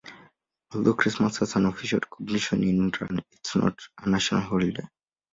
Although Christmas has an official recognition in Iran, it is not a national holiday.